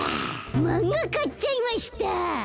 マンガかっちゃいました。